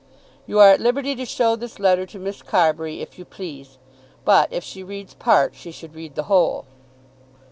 You are at liberty to show this letter to Miss Carbury, if you please; but if she reads part she should read the whole!